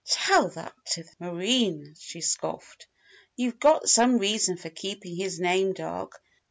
"Tell that to the marines!" she scoffed. "You've got some reason for keeping his name dark.